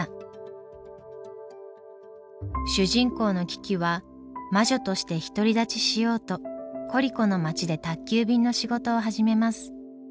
主人公のキキは魔女として独り立ちしようとコリコの街で宅急便の仕事を始めます。